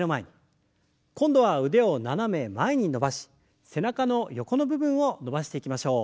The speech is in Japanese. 今度は腕を斜め前に伸ばし背中の横の部分を伸ばしていきましょう。